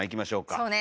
そうね！